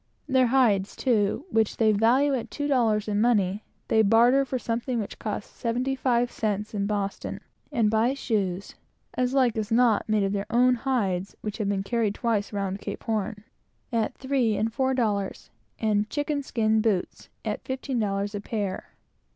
Their hides, too, which they value at two dollars in money, they give for something which costs seventy five cents in Boston; and buy shoes (like as not, made of their own hides, and which have been carried twice around Cape Horn) at three or four dollars, and "chicken skin" boots at fifteen dollars apiece.